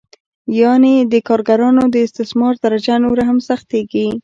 یانې د کارګرانو د استثمار درجه نوره هم سختېږي